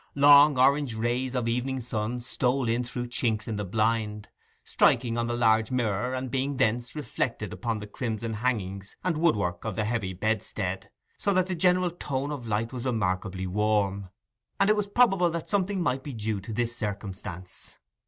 Long orange rays of evening sun stole in through chinks in the blind, striking on the large mirror, and being thence reflected upon the crimson hangings and woodwork of the heavy bedstead, so that the general tone of light was remarkably warm; and it was probable that something might be due to this circumstance.